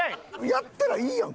やったらいいやん